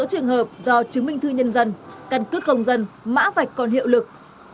các số trường hợp do chứng minh thư nhân dân căn cước công dân mã vạch còn hiệu lực